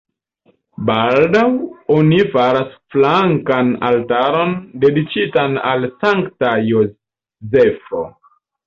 Baldaŭ oni faras flankan altaron dediĉitan al Sankta Jozefo.